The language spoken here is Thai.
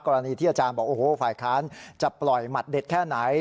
กรณีที่อาจารย์บอกโอ้โหฝ่ายค้านจะปล่อยหมัดเด็ดแค่ไหน